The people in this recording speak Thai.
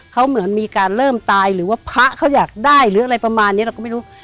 เขาเหมือนมีการเริ่มตายหรือว่าพระเขาอยากได้หรืออะไรประมาณนี้เราก็ไม่รู้